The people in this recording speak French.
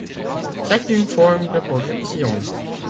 C'est une forme de corruption.